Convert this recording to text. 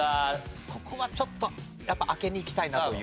ここはちょっとやっぱ開けにいきたいなという。